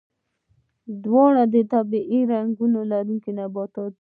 دا دواړه د طبیعي رنګ لرونکي نباتات دي.